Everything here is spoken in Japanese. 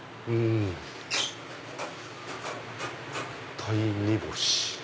鯛煮干し。